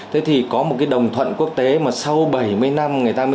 thế thì có một cái đồng thuận quốc tế mà sau bảy mươi năm người ta mới đồng thuận được